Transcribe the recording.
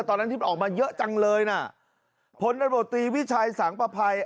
ตอนนั้นที่มันออกมาเยอะจังเลยน่ะพลตำรวจตีวิชัยสังประภัย